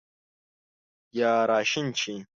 یا راشین شي